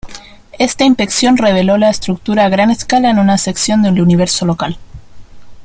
Ésta inspección reveló la estructura a gran escala en una sección del Universo local.